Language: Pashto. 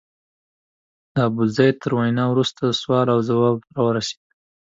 د ابوزید تر وینا وروسته سوال او ځواب راورسېد.